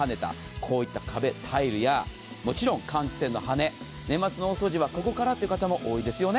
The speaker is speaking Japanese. こういった壁やタイル、もちろん換気扇の羽、年末の大掃除はここからという方多いですね。